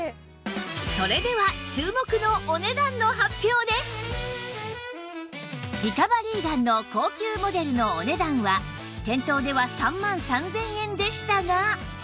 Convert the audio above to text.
それではリカバリーガンの高級モデルのお値段は店頭では３万３０００円でしたが